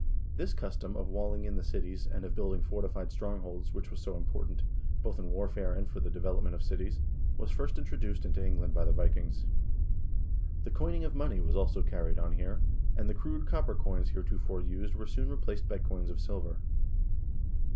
This custom of walling in the cities, and of building fortified strongholds, which was so important, both in warfare and for the development of cities, was first introduced into England by the Vikings. The coining of money was also carried on here, and the crude copper coins heretofore used were soon replaced by coins of silver.